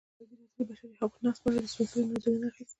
ازادي راډیو د د بشري حقونو نقض په اړه د مسؤلینو نظرونه اخیستي.